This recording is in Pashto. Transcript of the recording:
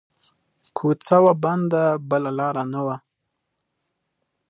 کو څه وه بنده بله لار نه وه